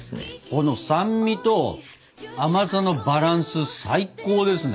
この酸味と甘さのバランス最高ですね。